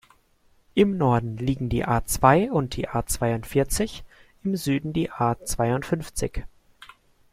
Im Norden liegen die A-zwei und die A-zweiundvierzig, im Süden die A-zweiundfünfzig.